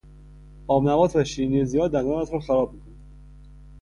آبنبات و شیرینی زیاد دندانت را خراب میکند.